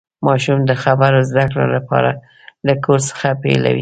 ماشوم د خبرو زدهکړه له کور څخه پیلوي.